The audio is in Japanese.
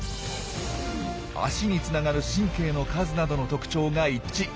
脚につながる神経の数などの特徴が一致。